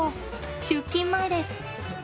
出勤前です。